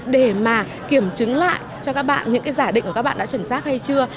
để mà kiểm chứng lại cho các bạn những cái giả định của các bạn đã chuẩn xác hay chưa